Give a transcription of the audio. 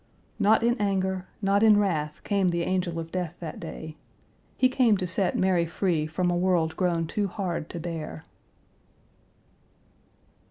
Not in anger, not in wrath, came the angel of death that day. He came to set Mary free from a world grown too hard to bear.